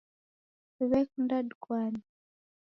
W'ekunda dikwane